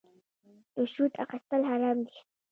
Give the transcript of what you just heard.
رشوت اخیستل حرام دي